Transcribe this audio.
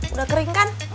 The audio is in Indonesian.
udah kering kan